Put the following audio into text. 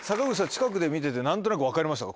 近くで見てて何となく分かりましたか？